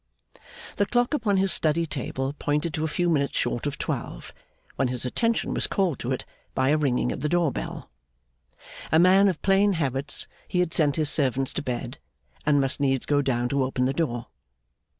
The clock upon his study table pointed to a few minutes short of twelve, when his attention was called to it by a ringing at the door bell. A man of plain habits, he had sent his servants to bed and must needs go down to open the door.